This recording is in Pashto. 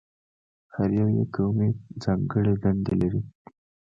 هر یو یې کومې ځانګړې دندې لري؟